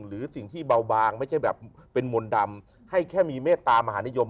หรือสิ่งที่เบาบางไม่ใช่แบบเป็นมนต์ดำให้แค่มีเมตตามหานิยม